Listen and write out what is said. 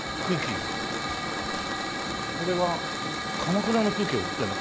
これは鎌倉の空気が売ってるの？